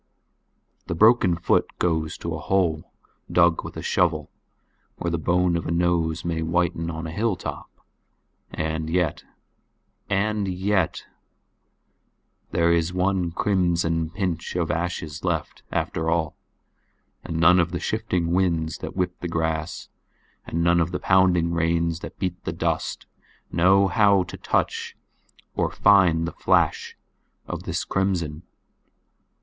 The broken foot goes to a hole dug with a shovel or the bone of a nose may whiten on a hilltop—and yet—"and yet"—There is one crimson pinch of ashes left after all; and none of the shifting winds that whip the grass and none of the pounding rains that beat the dust, know how to touch or find the flash of this crimson.